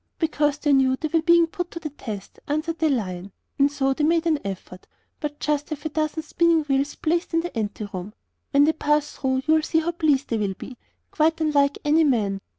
'Because they knew they were being put to the test,' answered the Lion; 'and so they made an effort; but just have a dozen spinning wheels placed in the ante room. When they pass through you'll see how pleased they will be, quite unlike any man.